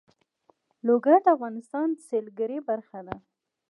لوگر د افغانستان د سیلګرۍ برخه ده.